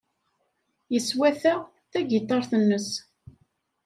Yeswata tagiṭart-nnes.